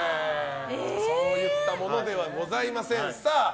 そういったものではございません。